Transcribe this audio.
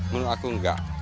menurut aku nggak